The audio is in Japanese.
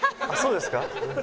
そうですか？